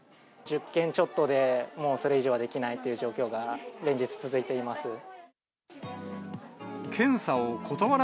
１０件ちょっとで、もうそれ以上はできないという状況が、連日続いています。